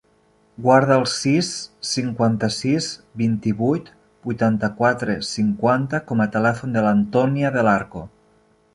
Guarda el sis, cinquanta-sis, vint-i-vuit, vuitanta-quatre, cinquanta com a telèfon de l'Antònia Del Arco.